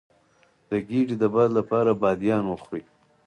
د ګیډې د باد لپاره بادیان وخورئ